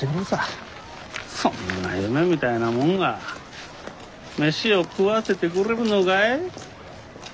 そんな夢みたいなもんが飯を食わせてくれるのかい。